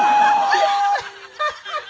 アハハハ！